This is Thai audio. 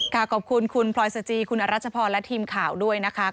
ขอบคุณคุณพลอยสจีคุณอรัชพรและทีมข่าวด้วยนะคะ